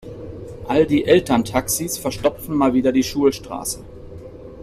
All die Elterntaxis verstopfen mal wieder die Schulstraße.